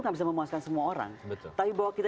nggak bisa memuaskan semua orang tapi bahwa kita